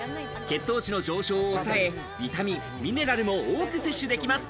血糖値の上昇を抑え、ビタミン、ミネラルも多く摂取できます。